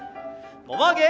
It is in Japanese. もも上げ。